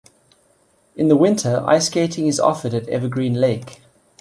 In the winter, ice skating is offered at Evergreen Lake.